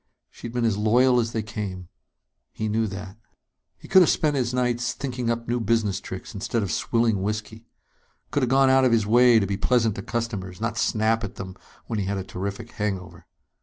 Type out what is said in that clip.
She'd been as loyal as they came, he knew that. He could have spent his nights thinking up new business tricks, instead of swilling whiskey. Could have gone out of his way to be pleasant to customers, not snap at them when he had a terrific hangover.